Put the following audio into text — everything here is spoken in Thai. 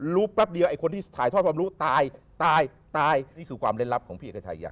แป๊บเดียวไอ้คนที่ถ่ายทอดความรู้ตายตายตายนี่คือความเล่นลับของพี่เอกชายา